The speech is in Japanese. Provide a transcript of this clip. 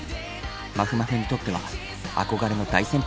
まふまふにとっては憧れの大先輩である。